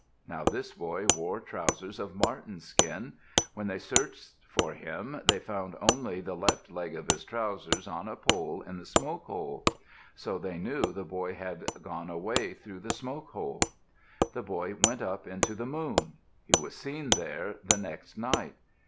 Now this boy wore trousers of marten skin. When they searched for him, they found only the left leg of his trousers on a pole in the smoke hole. So they knew the boy had gone away through the smoke hole. The boy went up into the moon. He was seen there the next night.